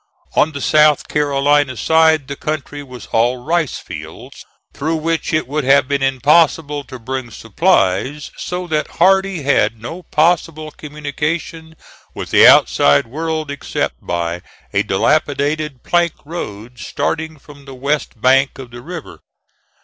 On the South Carolina side the country was all rice fields, through which it would have been impossible to bring supplies so that Hardee had no possible communication with the outside world except by a dilapidated plank road starting from the west bank of the river.